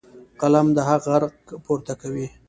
قلم د حق غږ پورته کوي.